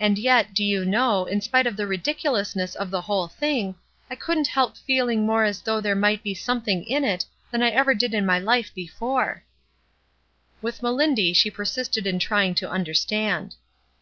"And yet, do you know, in spite of the ridicu lousness of the whole thing, I couldn't help feeling more as though there might be some thing in it than I ever did in my Ufe before." 196 ESTER RIED'S NAMESAKE With Melindy she persisted hi trying to understand.